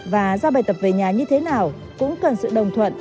và do bài tập về nhà như thế nào cũng cần sự đồng thuận